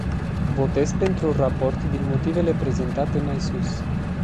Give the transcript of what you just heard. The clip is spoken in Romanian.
Votez pentru raport din motivele prezentate mai sus.